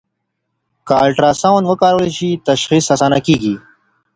که الټراساؤنډ وکارول شي، تشخیص اسانه کېږي.